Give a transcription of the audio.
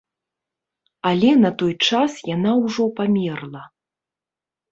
Але на той час яна ўжо памерла.